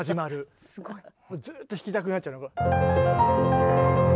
もうずっと弾きたくなっちゃうの。